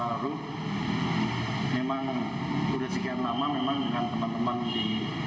dan betul kalau bisa larut memang sudah sekian lama memang dengan teman teman di